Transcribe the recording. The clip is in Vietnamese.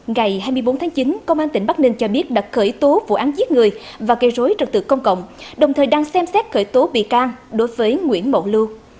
ngày hai mươi bốn tháng chín công an tỉnh bắc ninh cho biết đã khởi tố vụ án giết người và gây rối trật tự công cộng đồng thời đang xem xét khởi tố bị can đối với nguyễn mậu lưu